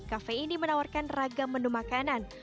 kafe ini menawarkan ragam menu makanan